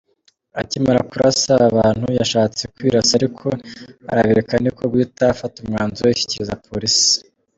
Akimara kurasa aba bantu, yashatse kwirasa ariko arabireka niko guhita afata umwanzuro yishyikiriza polisi.